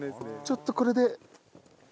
ちょっとこれで。